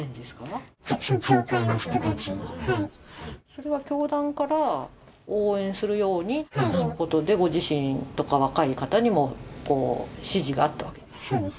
それは教団から応援するようにということで、ご自身とか、若い方にも指示があったわけですか。